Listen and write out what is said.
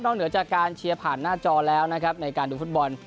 เหนือจากการเชียร์ผ่านหน้าจอแล้วนะครับในการดูฟุตบอล